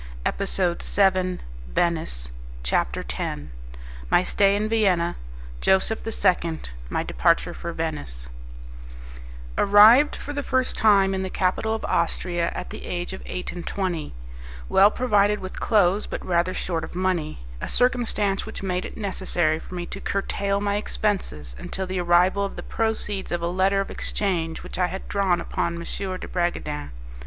EPISODE 7 VENICE CHAPTER X My Stay in Vienna Joseph II My Departure for Venice Arrived, for the first time, in the capital of Austria, at the age of eight and twenty, well provided with clothes, but rather short of money a circumstance which made it necessary for me to curtail my expenses until the arrival of the proceeds of a letter of exchange which I had drawn upon M. de Bragadin.